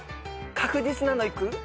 確実なのいく？